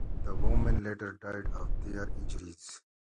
The women later died of their injuries.